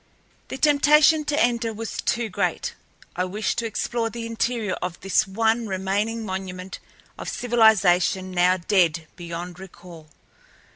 The temptation to enter was too great. I wished to explore the interior of this one remaining monument of civilization now dead beyond recall.